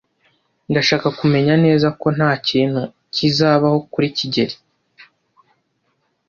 Ndashaka kumenya neza ko ntakintu kizabaho kuri kigeli.